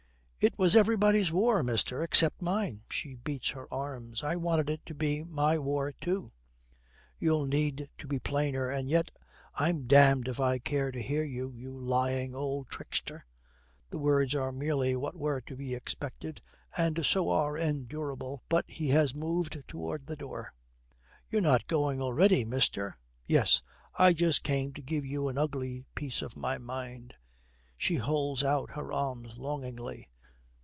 'It was everybody's war, mister, except mine.' She beats her arms. 'I wanted it to be my war too.' 'You'll need to be plainer. And yet I'm d d if I care to hear you, you lying old trickster.' The words are merely what were to be expected, and so are endurable; but he has moved towards the door. 'You're not going already, mister?' 'Yes, I just came to give you an ugly piece of my mind.' She holds out her arms longingly.